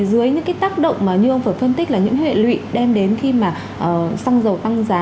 vậy thì dưới những cái tác động mà như ông vừa phân tích là những huệ lụy đem đến khi mà xăng dầu tăng giá